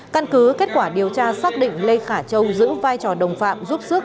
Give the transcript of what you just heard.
căn cứ kết quả điều tra xác định lê khả châu giữ vai trò đồng phạm giúp sức